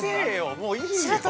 もう、いいよ。